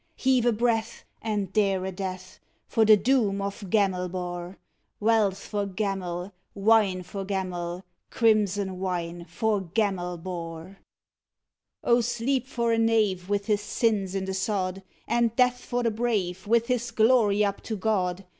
Heave a breath And dare a death For the doom of Gamelbar! Wealth for Gamel, Wine for Gamel, Crimson wine for Gamelbar! CHORUS: Oh, sleep for a knave, With his sins in the sod! And death for the brave, With his glory up to God!